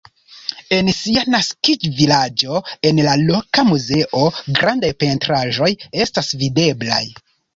En sia naskiĝvilaĝo en la loka muzeo grandaj pentraĵoj estas videblaj.